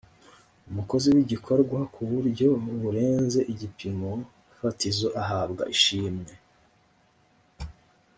umukozi w’igikorwa ku buryo burenze igipimo fatizo ahabwa ishimwe